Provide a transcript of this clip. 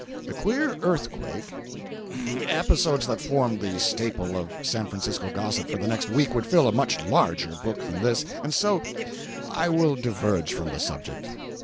The queer earthquake—episodes that formed the staple of San Francisco gossip for the next week would fill a much larger book than this, and so I will diverge from the subject.